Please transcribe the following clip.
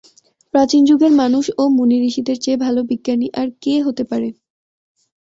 প্রাচীন যুগের মানুষ ও মুনি-ঋষিদের চেয়ে ভালো বিজ্ঞানী আর কে হতে পারে?